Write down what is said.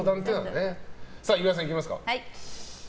岩井さん、いきますか。